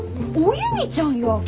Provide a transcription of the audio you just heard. おゆみちゃんや！